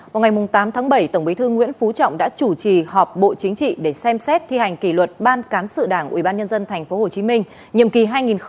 vào ngày tám tháng bảy tổng bí thư nguyễn phú trọng đã chủ trì họp bộ chính trị để xem xét thi hành kỷ luật ban cán sự đảng ubnd tp hcm nhiệm kỳ hai nghìn một mươi sáu hai nghìn một mươi một